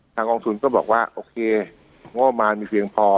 ทางกองทุนก็บอกว่าโอเคงโมมันมีเภงพอ